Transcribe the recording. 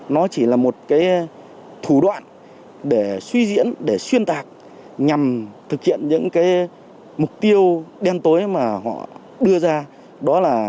nó chỉ là một thủ đoạn để suy diễn để xuyên tạc nhằm thực hiện những mục tiêu đen tối mà họ đưa ra